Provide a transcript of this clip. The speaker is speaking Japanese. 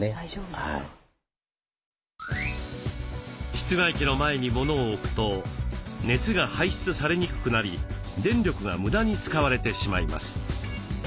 室外機の前に物を置くと熱が排出されにくくなり電力が無駄に使われてしまいます。